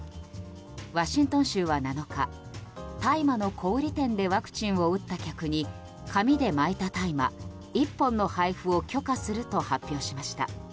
ワシントン州は７日大麻の小売店でワクチンを打った客に紙で巻いた大麻１本の配布を許可すると発表しました。